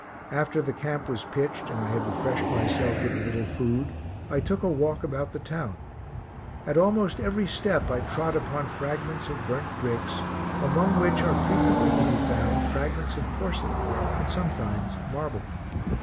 After the camp was pitched, and I had refreshed myself with a little food, I took a walk about the town. At almost every step I trod upon fragments of burnt bricks, among which are frequently to be found fragments of porcelain, and sometimes marble.